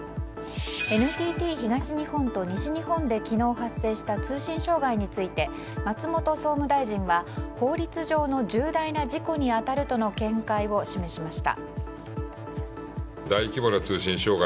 ＮＴＴ東日本と西日本で昨日発生した通信障害について松本総務大臣は法律上の重大な事故に当たるとの見解を示しました。